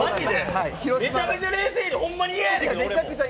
めちゃくちゃ冷静、ほんまに嫌や！